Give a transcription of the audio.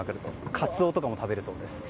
カツオとかも食べるそうですよ。